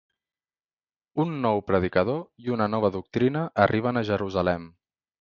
Un nou predicador i una nova doctrina arriben a Jerusalem.